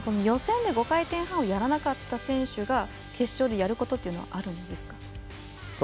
予選で５回転半をやらなかった選手が決勝でやることというのはあるんですか？